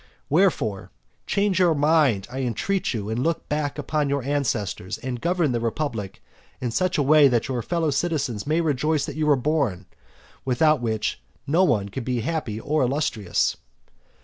Wherefore, change your mind, I entreat you, and look back upon your ancestors, and govern the republic in such a way that your fellow citizens may rejoice that you were born; without which no one can be happy nor illustrious.